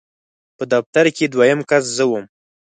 په دفتر کې دویم کس زه وم.